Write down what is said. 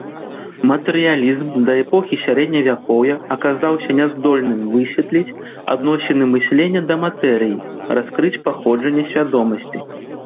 Матэрыялізм да эпохі сярэдневякоўя аказаўся няздольным высветліць адносіны мыслення да матэрыі, раскрыць паходжанне свядомасці.